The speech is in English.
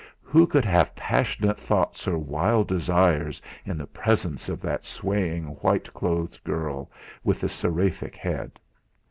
Who could have passionate thoughts or wild desires in the presence of that swaying, white clothed girl with the seraphic head?